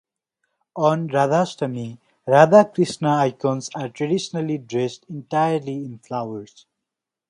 On Radhastami, Radha Krishna icons are traditionally dressed entirely in flowers.